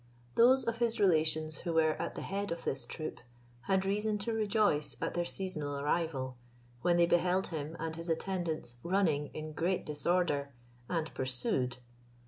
Those of his relations who were at the head of this troop had reason to rejoice at their seasonable arrival, when they beheld him and his attendants running in great disorder, and pursued.